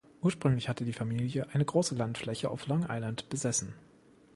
Ursprünglich hatte die Familie eine große Landfläche auf Long Island besessen.